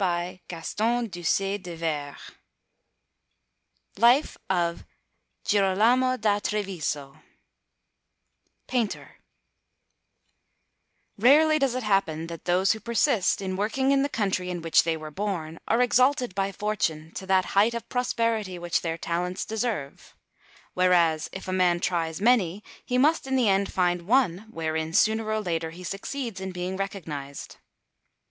GIROLAMO DA TREVISO LIFE OF GIROLAMO DA TREVISO PAINTER Rarely does it happen that those who persist in working in the country in which they were born, are exalted by Fortune to that height of prosperity which their talents deserve; whereas, if a man tries many, he must in the end find one wherein sooner or later he succeeds in being recognized.